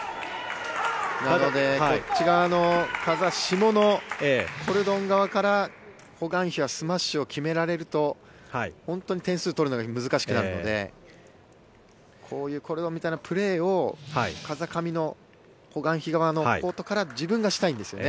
なのでこっち側の風下のコルドン側からホ・グァンヒはスマッシュを決められると本当に点数を取るのが難しくなるのでこういうコルドンみたいなプレーを風上のホ・グァンヒ側のコートから自分がしたいんですよね。